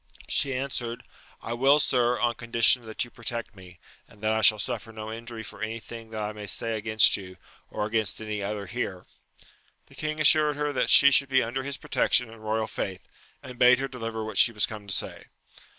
She answered, I will, sir, on condition that you protect me, and that I shall suffer no injury for any thing that I may say against you, or against any other here. The king assured her that she should be under his protection and royal faith, and bade her deliver what she was come to say.